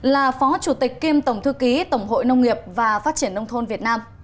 là phó chủ tịch kiêm tổng thư ký tổng hội nông nghiệp và phát triển nông thôn việt nam